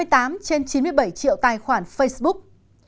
năm mươi tám trên chín mươi bảy triệu tài khoản facebook năm mươi chín bảy mươi chín